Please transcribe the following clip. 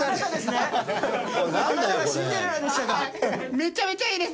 めちゃめちゃいいです！